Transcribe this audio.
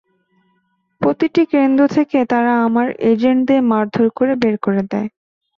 প্রতিটি কেন্দ্র থেকে তারা আমার এজেন্টদের মারধর করে বের করে দেয়।